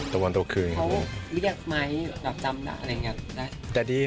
ตัววันตัวคืนครับผมเขาเรียกไมค์แบบจำอะไรอย่างเงี้ย